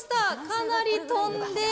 かなり飛んで、